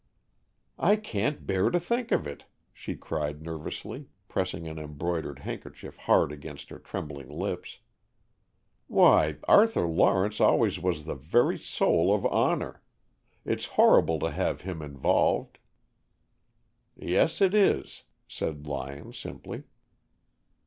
"I can't bear to think of it!" she cried nervously, pressing an embroidered handkerchief hard against her trembling lips. "Why, Arthur Lawrence always was the very soul of honor. It's horrible to have him involved, " "Yes, it is," said Lyon simply.